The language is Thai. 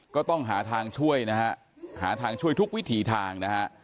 ก็ต้องหาทางช่วยนะฮะหาทางช่วยทุกวิถีทางนะฮะ